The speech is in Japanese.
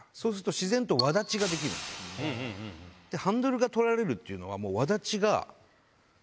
ハンドルが取られるっていうのは。